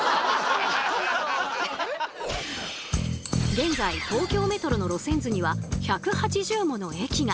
現在東京メトロの路線図には１８０もの駅が。